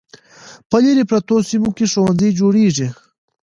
په لیرې پرتو سیمو کې ښوونځي جوړیږي.